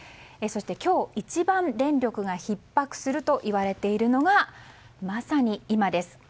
そして今日一番、電力がひっ迫するといわれているのがまさに今です。